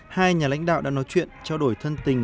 hai nhà lãnh đạo đã nói chuyện trao đổi thân tình